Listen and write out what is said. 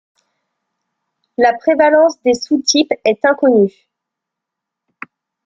La prévalence des sous-types est inconnue.